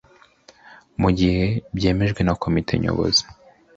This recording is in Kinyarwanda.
Mugihe byemejwe na komite nyobozi